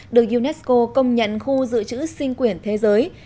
được unesco công nhận khu dự trữ sinh quyển thế giới